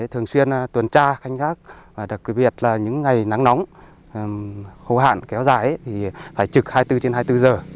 thường xuyên tuần tra canh gác và đặc biệt là những ngày nắng nóng khô hạn kéo dài thì phải trực hai mươi bốn trên hai mươi bốn giờ